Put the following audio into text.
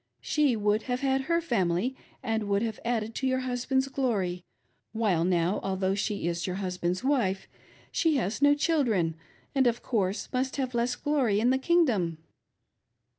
She would have had /ler family, and would have added to your husband's glory:; while now;, although she is your husband's wife, she has no SISTER ANN " COMFORTS " J^E ! 48 fbildren, and, of course, must have less glory in the King dom."